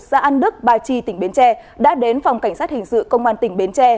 xã an đức ba chi tỉnh bến tre đã đến phòng cảnh sát hình sự công an tỉnh bến tre